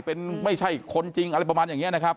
เป็นไม่ใช่คนจริงอะไรประมาณอย่างนี้นะครับ